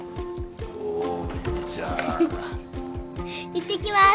いってきます！